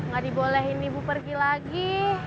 gak dibolehin ibu pergi lagi